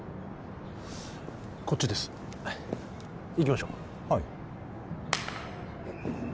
こっちです行きましょうはい